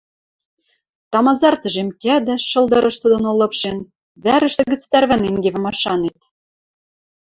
Тамазар тӹжем кӓдӹ, шылдырышты доно лыпшен, вӓрӹштӹ гӹц тӓрвӓнен кевӹ машанет.